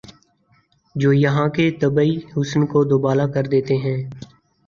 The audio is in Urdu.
جو یہاں کے طبعی حسن کو دوبالا کر دیتے ہیں